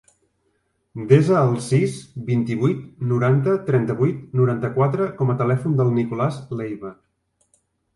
Desa el sis, vint-i-vuit, noranta, trenta-vuit, noranta-quatre com a telèfon del Nicolàs Leiva.